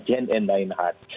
cnn dan lain hal